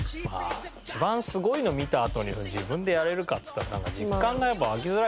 一番すごいの見たあとに自分でやれるかっつったらなんか実感が湧きづらいと思うんです。